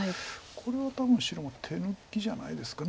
これは多分白が手抜きじゃないですか。